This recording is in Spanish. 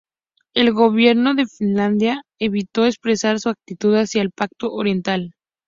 El gobierno de Finlandia evitó expresar su actitud hacia el Pacto oriental.